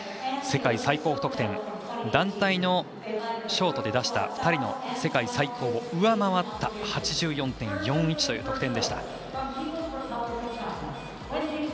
世界最高得点団体のショートで出した２人の世界最高を上回った８４．４１という得点でした。